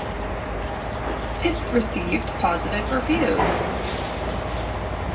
It's received positive reviews.